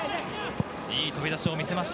いい飛び出しを見せました。